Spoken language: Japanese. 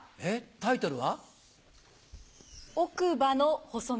タイトルは？